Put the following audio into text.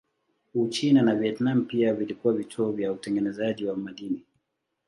Uchina na Vietnam pia vilikuwa vituo vya utengenezaji wa madini.